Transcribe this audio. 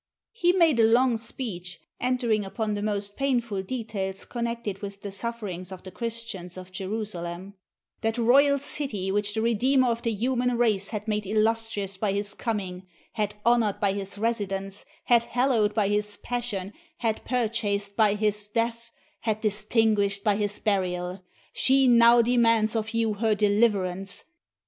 He made a long speech, enter ing upon the most painful details connected with the sufferings of the Christians of Jerusalem, "that royal city which the Redeemer of the human race had made 608 GOD WILLETH IT illuetrioiis by his coming, had honored by his residence, had hallowed by his passion, had purchased by his death, had distinguished by his burial. She now de mands of you her deliverance